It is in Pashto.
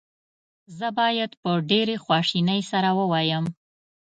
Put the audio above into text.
زه باید په ډېرې خواشینۍ سره ووایم.